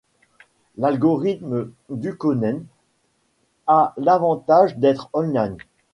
L'algorithme d'Ukkonen a l'avantage d'être online.